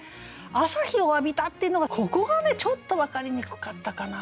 「朝日を浴びた」っていうのがここはねちょっと分かりにくかったかな。